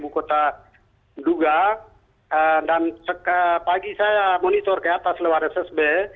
ibu kota duga dan pagi saya monitor ke atas lewat ssb